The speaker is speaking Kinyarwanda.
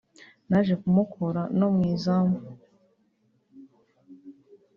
Naje kumukura no mu izamu